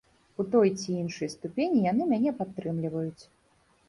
У той ці іншай ступені яны мяне падтрымліваюць.